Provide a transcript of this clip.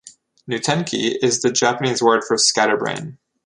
"Noutenki" is the Japanese word for "scatterbrain".